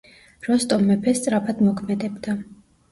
როსტომ მეფე სწრაფად მოქმედებდა.